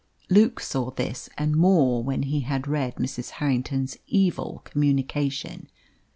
Luke saw this and more when he had read Mrs. Harrington's evil communication.